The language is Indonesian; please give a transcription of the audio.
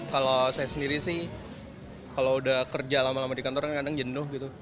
kalau saya sendiri sih kalau udah kerja lama lama di kantor kan kadang jenuh gitu